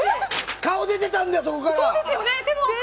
顔が出てたんだよそこから。